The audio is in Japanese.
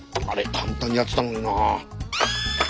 簡単にやってたのにな。